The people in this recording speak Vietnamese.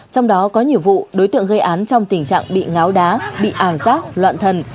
trong đó có nhiều vụ đối tượng gây án trong tình trạng bị ngáo đá bị ảo giác loạn thần